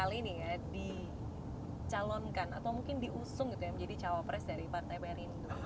kalau misalnya itu di calonkan atau mungkin diusung menjadi cawapres dari partai perindu